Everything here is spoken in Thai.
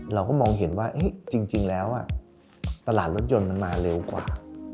เราก็มองเห็นว่าจริงแล้วตลาดรถยนต์มันมาเร็วกว่า